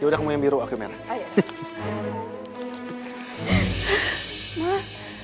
ya udah kamu yang biru aku yang merah